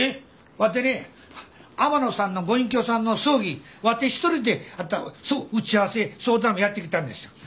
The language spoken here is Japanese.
わてね天野さんのご隠居さんの葬儀わて１人で打ち合わせ相談もやってきたんですよ。